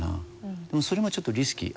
でもそれもちょっとリスキー。